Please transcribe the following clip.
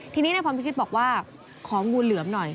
ทีนี้นายพรพิชิตบอกว่าของงูเหลือมหน่อย